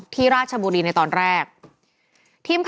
ราชบุรีในตอนแรก